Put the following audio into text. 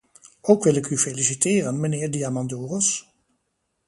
Ook ik wil u feliciteren, mijnheer Diamandouros.